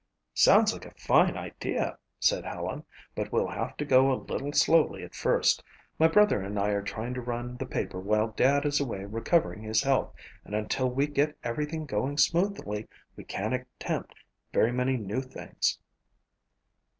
"Sounds like a fine idea," said Helen, "but we'll have to go a little slowly at first. My brother and I are trying to run the paper while Dad is away recovering his health and until we get everything going smoothly we can't attempt very many new things."